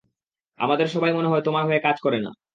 আমাদের সবাই মনে হয় তোমার হয়ে কাজ করে না।